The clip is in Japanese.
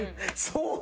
そう！